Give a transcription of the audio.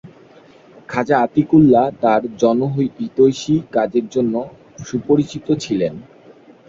খাজা আতিকুল্লাহ তাঁর জনহিতৈষী কাজের জন্য সুপরিচিত ছিলেন।